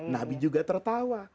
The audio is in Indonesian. nabi juga tertawa